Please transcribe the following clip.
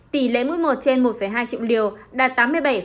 tỷ lệ mũi một trên một hai triệu liều đạt tám mươi bảy tám